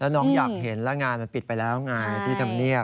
น้องอยากเห็นแล้วงานมันปิดไปแล้วไงที่ทำเนียบ